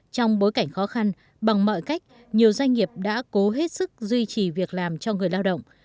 trong bối cảnh khó khăn bằng mọi cách nhiều doanh nghiệp đã cố hết sức duy trì việc làm cho người lao động